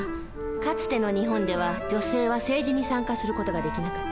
かつての日本では女性は政治に参加する事ができなかった。